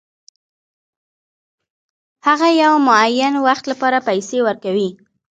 هغه د یو معین وخت لپاره پیسې ورکوي